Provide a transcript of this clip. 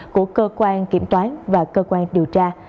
của cơ quan kiểm toán và cơ quan điều tra